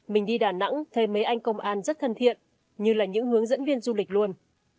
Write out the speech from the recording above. mình đi đà nẵng thấy mấy anh công an rất thân thiện như là những hướng dẫn viên du lịch luôn